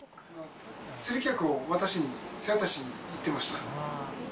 釣り客を渡しに、瀬渡しに行ってました。